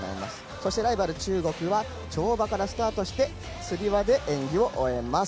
そしてライバル、中国は跳馬からスタートしてつり輪で演技を終えます。